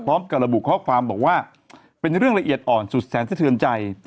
พร้อมกับระบุข้อความบอกว่าเป็นเรื่องละเอียดอ่อนสุดแสนสะเทือนใจ